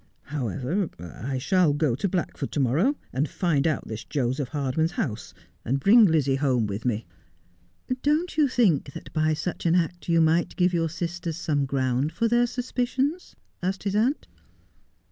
' However, 1 shall go to Blackford to morrow, and find out this Joseph Hardman's house, and bring Lizzie home with me.' ' Don't you think that by such an act you might give your sisters some ground for their suspicions ?' asked his aunt.